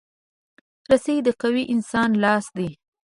رسۍ د قوي انسان لاس دی.